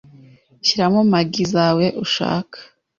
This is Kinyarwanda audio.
shyiramo maggi zawe ushaka